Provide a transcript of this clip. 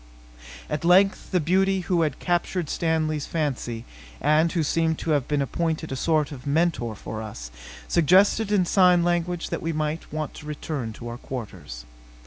At length the beauty who had so captured Stanley's fancy, and who seemed to have been appointed a sort of mentor for us, suggested in sign language that we might want to return to our quarters.